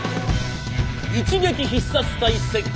一撃必殺隊戦記